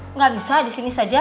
engga bisa disini saja